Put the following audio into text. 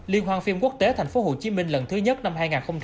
liên hoan phim quốc gia thành phố hồ chí minh lần thứ nhất năm hai nghìn hai mươi bốn